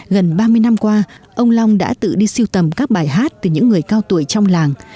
gần ba mươi năm qua ông long đã tự đi siêu tầm các bài hát từ những người cao tuổi trong làng